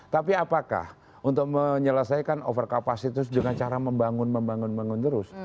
tapi apakah untuk menyelesaikan over kapasitas dengan cara membangun membangun terus